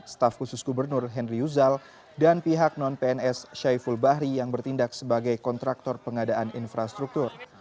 staf khusus gubernur henry yuzal dan pihak non pns syaiful bahri yang bertindak sebagai kontraktor pengadaan infrastruktur